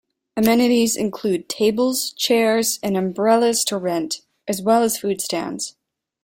Amenities include tables, chairs and umbrellas to rent, as well as food stands.